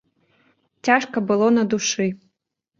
Цяжка было на душы.